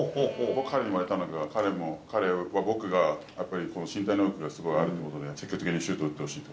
彼に言われたのが、彼は、僕がやっぱり身体能力がすごいあるので、積極的にシュート打ってほしいと。